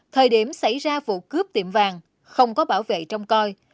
thời điểm xảy ra vụ cướp tiệm vàng không có bảo vệ trong coi